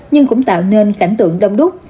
nhưng cũng tạo nên cảnh tượng đông đúc